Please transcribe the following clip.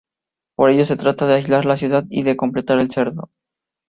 Por ello, se trata de aislar la ciudad y de completar el cerco.